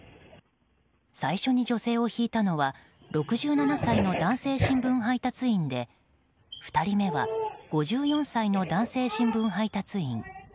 最初に女性をひいたのは６７歳の男性新聞配達員で２人目は５４歳の男性新聞配達員。